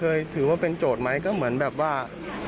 ถือว่าเป็นโจทย์ไหมก็เหมือนแบบว่า